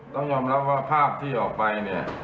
ต้องยอมรับว่าภาพที่ออกไปเนี่ย